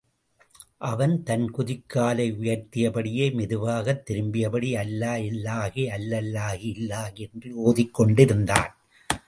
அவன் தன் குதிகாலை உயர்த்தியபடியே மெதுவாகத் திரும்பியபடி, அல்லா இல்லாஹி அல்லல்லாகி இல்லாகி... என்று ஓதிக் கொண்டிருந்தான்.